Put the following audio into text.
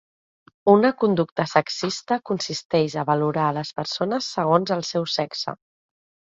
Una conducta sexista consisteix a valorar les persones segons el seu sexe.